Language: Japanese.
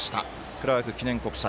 クラーク記念国際。